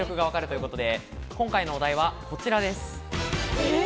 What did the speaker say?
今回のお題はこちらです。